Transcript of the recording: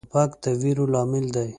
توپک د ویرو لامل دی.